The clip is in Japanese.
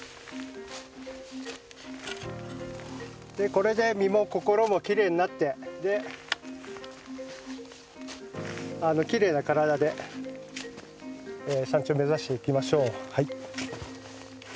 これで身も心もきれいになってきれいな体で山頂目指していきましょう。